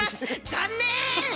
残念！